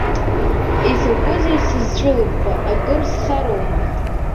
Изакәызеи сызҵәылыбхуа, акыр схароума?